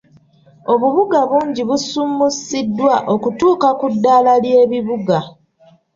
Obubuga bungi busuumuusiddwa okutuuka ku ddaala ly'ebibuga.